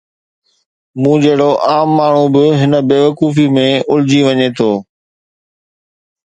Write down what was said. مون جهڙو عام ماڻهو به هن بيوقوفيءَ ۾ الجھجي وڃي ٿو.